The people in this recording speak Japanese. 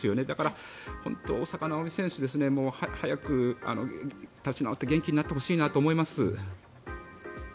だから大坂なおみ選手早く立ち直って元気になってほしいなと思います。